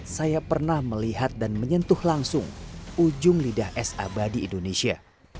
saya pernah melihat dan menyentuh langsung ujung lidah es abadi indonesia